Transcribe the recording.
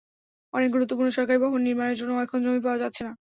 অনেক গুরুত্বপূর্ণ সরকারি ভবন নির্মাণের জন্যও এখন জমি পাওয়া যাচ্ছে না।